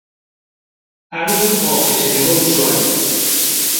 Algo ao que se negou Suárez.